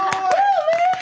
おめでとう！